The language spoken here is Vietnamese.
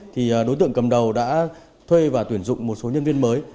thì đối tượng cầm đầu đã thuê và tuyển dụng một số nhân viên mới